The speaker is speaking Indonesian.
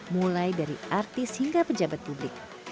mulai dari artis hingga pejabat publik